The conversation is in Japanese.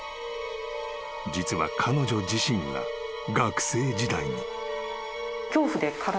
［実は彼女自身が学生時代に］